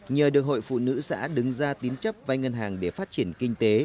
nhờ được hội phụ nữ xã đứng ra tín chấp vay ngân hàng để phát triển kinh tế